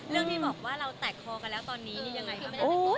เรื่องที่บอกว่าเราแตกคอกันแล้วตอนนี้ยังไงบ้าง